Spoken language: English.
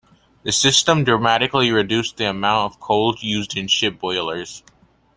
This system dramatically reduced the amount of coal used in ships' boilers.